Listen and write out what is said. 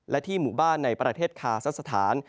และที่หมู่บ้านในประเทศคาซักสถาน